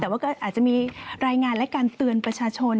แต่ว่าก็อาจจะมีรายงานและการเตือนประชาชน